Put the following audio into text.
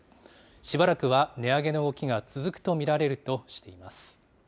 しばらくは値上げの動きが続くと見られるとしています。